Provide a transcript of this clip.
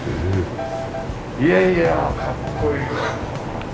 いやいやかっこいいわ。